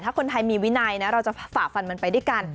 ถ้าคนไทยมีวินัยนะเราจะฝ่าฟันมันไปด้วยกัน